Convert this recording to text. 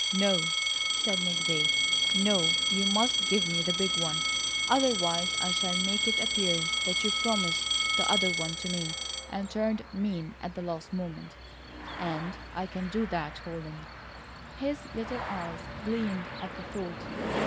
"No," said McVay, "no. You must give me the big one. Otherwise I shall make it appear that you promised the other to me, and turned mean at the last moment. And I can do it, Holland." His little eyes gleamed at the thought.